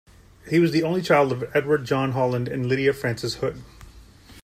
He was the only child of Edward John Holland and Lydia Frances Hood.